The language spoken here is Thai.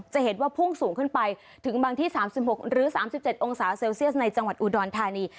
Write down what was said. จะเห็นว่าพุ่งสูงขึ้นไปถึงบางที่๓๖หรือ๓๗องศาเซลเซียสในจังหวัดอุดรธานี